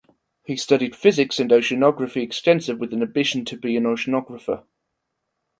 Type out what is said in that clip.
He studied physics and oceanography extensive with an ambition to be an oceanographer.